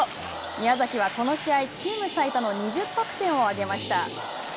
宮崎は、この試合チーム最多の２０得点を挙げました。